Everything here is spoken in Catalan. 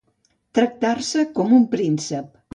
Tractar-se com un príncep.